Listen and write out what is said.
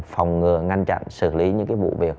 phòng ngừa ngăn chặn xử lý những vụ việc